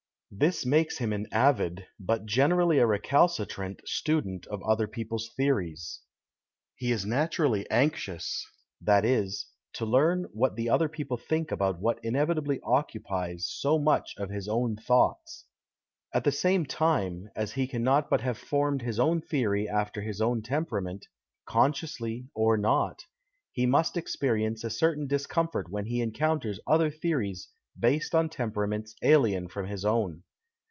This makes him an avid, but generally a recalcitrant, student of other people's theories. He is naturally anxious, that is, to learn what the other j)eople think about what inevitably occupies so nuich of his own thoughts ; at the same time, as he cannot but have formed his own theory after his own temperament, consciously or not, he must experience a certain discomfort when he encounters other theories based on temperaments alien from his own.